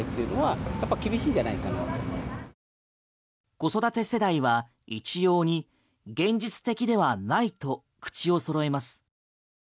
子育て世代は一様に現実的ではないと口を揃えます。